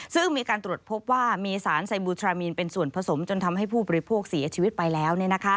ซึ่งมีการตรวจพบว่ามีสารไซบูทรามีนเป็นส่วนผสมจนทำให้ผู้บริโภคเสียชีวิตไปแล้ว